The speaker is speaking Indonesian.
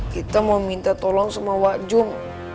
kita mau minta tolong sama wak jum